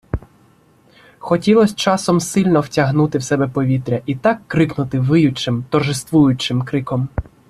Хотілось часом сильно втягнути в себе повітря і так крикнути виючим, торжествуючим криком.